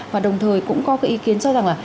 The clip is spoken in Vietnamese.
và đồng thời cũng có cái ý kiến cho rằng là